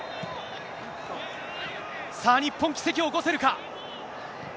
さあ、日本、奇跡を起こせるか。